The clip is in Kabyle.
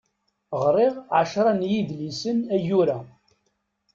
Ɣriɣ ɛecra n yidlisen ayyur-a.